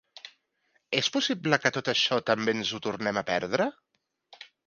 És que és possible que tot això també ens ho tornem a perdre?